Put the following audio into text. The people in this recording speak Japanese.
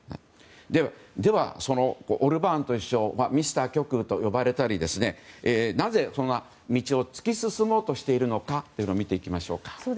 では、そのオルバーン首相ミスター極右と呼ばれたりなぜ、そんな道を突き進もうとしているのか見ていきましょう。